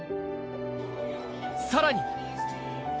さらに。